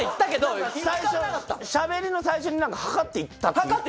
しゃべりの最初に測って行ったって言ったやん。